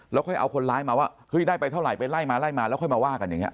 แล้วค่อยเอาคนร้ายมาว่าเฮ้ยได้ไปเท่าไหร่ไปไล่มาไล่มาแล้วค่อยมาว่ากันอย่างนี้